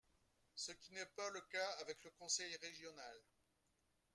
ce qui n’est pas le cas avec le conseil régional.